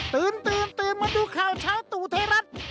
ตื่นตื่นมาดูข่าวเช้าตู่ไทยรัฐ